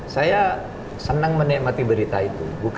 saya senang menikmati berita itu